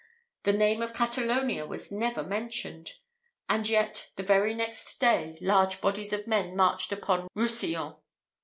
The name of Catalonia was never mentioned; and yet, the very next day, large bodies of men marched upon Rousillon.